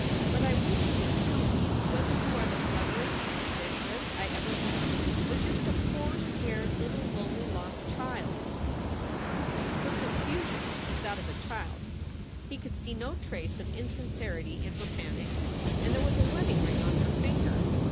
But I wish you would tell me whether you are the cleverest adventuress I ever met or just a poor scared little lonely lost child." Her confusion was that of a child. He could see no trace of insincerity in her panic and there was a wedding ring on her finger.